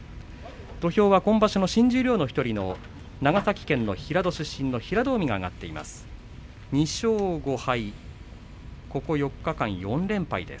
土俵は今場所の新十両の１人の長崎県の平戸市出身の平戸海が上がっています。